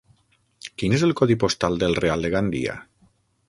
Quin és el codi postal del Real de Gandia?